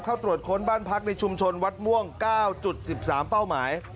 เข้าตรวจค้นบ้านพักในชุมชนวัดม่วง๙๑๓เป้าหมาย